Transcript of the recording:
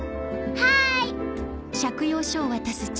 はい！